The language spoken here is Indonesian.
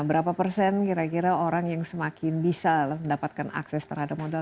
berapa persen kira kira orang yang semakin bisa mendapatkan akses terhadap modal